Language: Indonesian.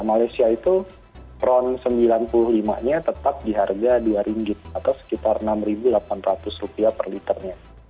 malaysia itu ron sembilan puluh lima nya tetap di harga rp dua atau sekitar rp enam delapan ratus per liternya